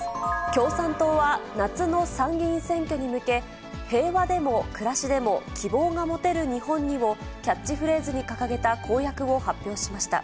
共産党は、夏の参議院選挙に向け、平和でも、くらしでも、希望がもてる日本にを、キャッチフレーズに掲げた公約を発表しました。